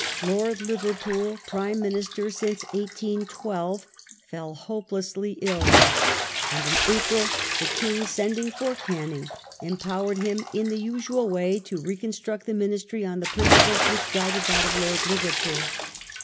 Lord Liverpool, Prime Minister since 1812, fell hopelessly ill, and in April the King, sending for Canning, empowered him in the usual way to reconstruct the Ministry on the principles which guided that of Lord Liverpool.